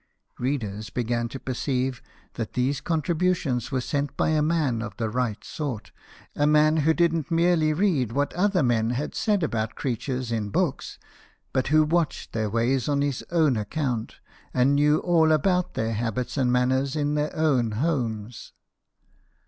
Readers began to perceive that these contributions were sent by a man of the right sort a man who didn't merely read what other men had said about the creatures in books, but who watched their ways on his own account, and knew all about their habits and manners in their own homes.